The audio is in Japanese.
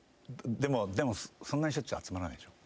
でもそんなにしょっちゅう集まらないでしょう。